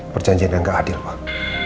perjanjian yang gak adil pak